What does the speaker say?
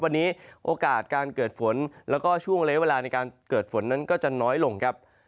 วันนี้โอกาสการเกิดฝนแล้วก็ช่วงระยะเวลาในการเกิดฝนนั้นก็จะน้อยลงครับ